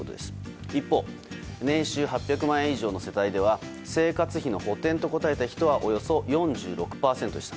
一方年収８００万円以上の世帯では生活費の補填と答えた人はおよそ４６％でした。